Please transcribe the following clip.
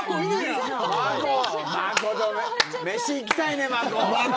飯行きたいね、まこ。